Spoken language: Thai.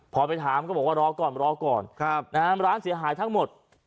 พอไปถามก็บอกว่ารอก่อนรอก่อนร้านเสียหายทั้งหมด